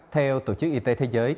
theo tổ chức y tế thế giới